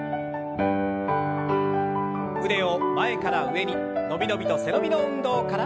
腕を前から上に伸び伸びと背伸びの運動から。